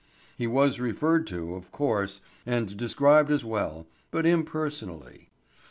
He was referred to, of course, and described as well, but impersonally.